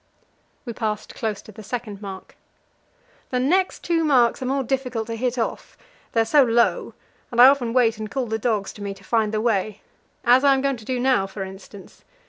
We passed close to the second mark. "The next two marks are more difficult to hit off they are so low; and I often wait and call the dogs to me to find the way as I am going to do now, for instance.